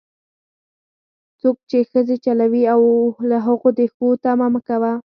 څوک چې ښځې چلوي، له هغو د ښو تمه مه کوه.